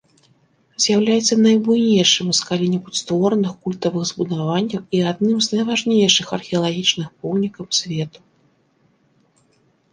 З'яўляецца найбуйнейшым з калі-небудзь створаных культавых збудаванняў і адным з найважнейшых археалагічных помнікаў свету.